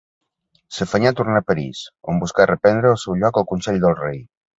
S'afanyà a tornar a París, on buscà reprendre el seu lloc al consell del rei.